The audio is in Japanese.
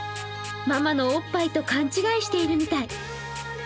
ママのおっぱいと勘違いしているみたい。